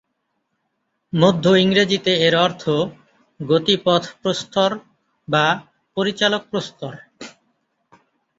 মধ্য ইংরেজিতে এর অর্থ "গতিপথ প্রস্তর" বা "পরিচালক প্রস্তর"।